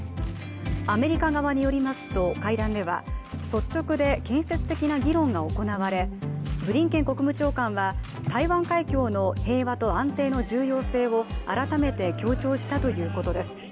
アメリカ側によりますと、会談では率直で建設的な議論が行われブリンケン国務長官は台湾海峡の平和と安定性の重要性を改めて強調したということです。